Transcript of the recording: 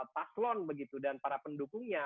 paslon begitu dan para pendukungnya